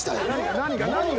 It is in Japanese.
何が何が？